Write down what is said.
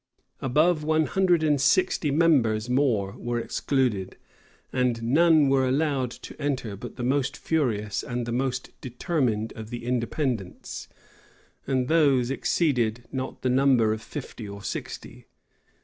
Above one hundred and sixty members more were excluded, and none were allowed to enter but the most furious and the most determined of the Independents; and these exceeded not the number of fifty or sixty.